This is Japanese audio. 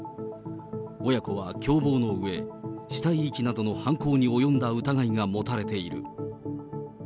親子は共謀のうえ、死体遺棄などの犯行に及んだ疑いが持たれている。